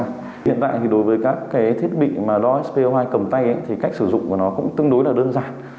hiện tại thì đối với các thiết bị mà đo spo hai cầm tay thì cách sử dụng của nó cũng tương đối là đơn giản